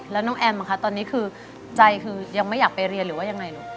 แล้วน้องแอมคะตอนนี้คือใจคือยังไม่อยากไปเรียนหรือว่ายังไงลูก